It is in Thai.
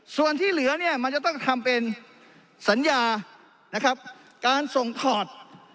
ส่วนที่เหลือมันจะต้องทำเป็นสัญญาการทหนตอด